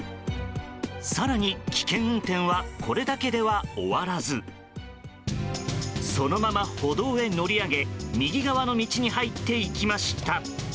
更に、危険運転はこれだけでは終わらずそのまま歩道へ乗り上げ右側の道に入っていきました。